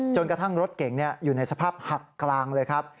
กระทั่งรถเก่งอยู่ในสภาพหักกลางเลยครับ